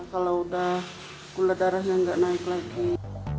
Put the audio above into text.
iya kalau sudah gula darahnya nggak naik lagi